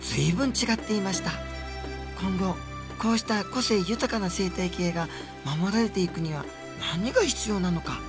今後こうした個性豊かな生態系が守られていくには何が必要なのか。